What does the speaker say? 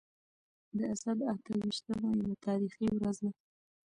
د اسد اته ويشتمه يوه تاريخي ورځ ده.